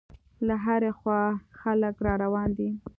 له هرې خوا خلک را روان دي.